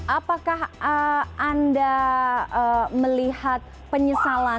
apakah anda melihat penyesalan